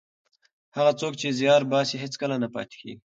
هغه څوک چې زیار باسي هېڅکله نه پاتې کېږي.